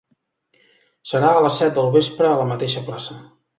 Serà a les set del vespre a la mateixa plaça.